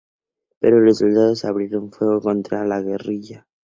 Pero los soldados abrieron fuego contra la guerrilla.